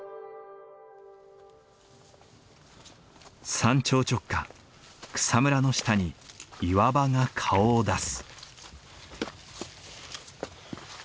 山頂直下草むらの下に岩場が顔を出す。